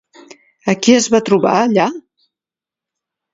A qui es va trobar allà?